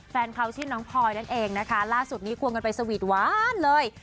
แฟนเขาชื่อน้องพลอยนั่นเองนะคะล่าสุดนี้ควงกันไปสวีทหวานเลย